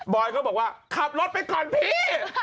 อยเขาบอกว่าขับรถไปก่อนพี่